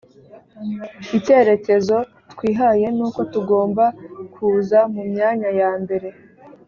icyerekezo twihaye nuko tugomba kuza mu myanya ya mbere